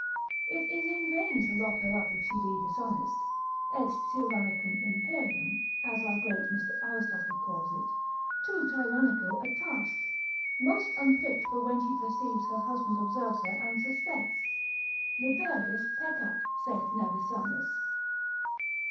It is in vain to lock her up if she be dishonest; et tyrranicum imperium, as our great Mr. Aristotle calls it, too tyrannical a task, most unfit: for when she perceives her husband observes her and suspects, liberius peccat, saith Nevisanus.